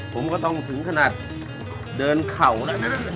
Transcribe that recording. ผมก็ต้องถึงขนาดเดินเข่าแล้วนะ